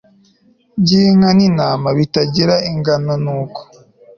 by inka n intama bitagira inganonuko